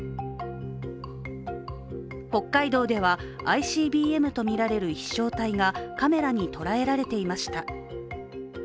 北海道ではＩＣＢＭとみられる飛しょう体がカメラに捉えられていました。